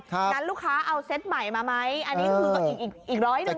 งั้นลูกค้าเอาเซตใหม่มาไหมอันนี้คือก็อีกอีกร้อยหนึ่ง